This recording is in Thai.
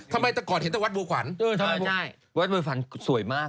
วันที่๑๖นี่ใครที่ไหว้เรา